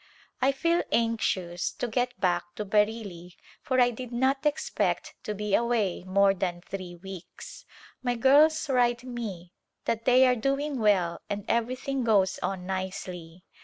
I feel anxious to get back to Bareilly for I did not expect to be away more than three weeks. My girls write me that they are doing well and everything goes on nicely.